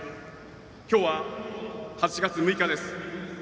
今日は、８月６日です。